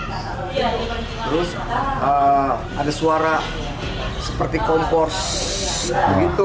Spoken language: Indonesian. terus ada suara seperti kompor gitu